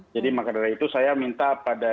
jadi makadari itu saya minta pada